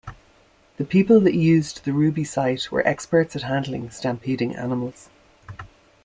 The people that used the Ruby site were experts at handling stampeding animals.